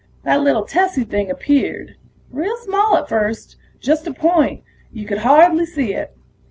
That little tessy thing appeared, real small at first. Just a point; you could hardly see it.